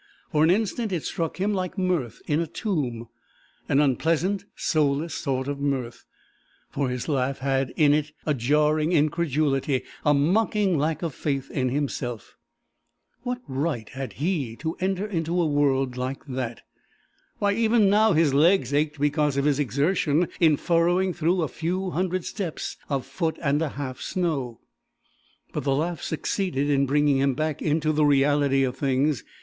For an instant it struck him like mirth in a tomb, an unpleasant, soulless sort of mirth, for his laugh had in it a jarring incredulity, a mocking lack of faith in himself. What right had he to enter into a world like that? Why, even now, his legs ached because of his exertion in furrowing through a few hundred steps of foot and a half snow! But the laugh succeeded in bringing him back into the reality of things.